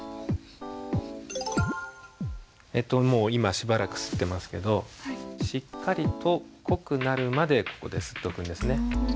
もう今しばらくすってますけどしっかりと濃くなるまでここですっておくんですね。